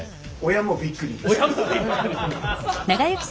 親もびっくり。